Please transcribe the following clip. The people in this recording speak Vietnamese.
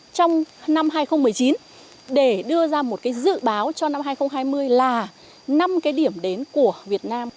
trong năm hai nghìn một mươi chín để đưa ra một cái dự báo cho năm hai nghìn hai mươi là năm cái điểm đến của việt nam